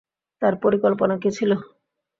তর পরিকল্পনা কি ছিল?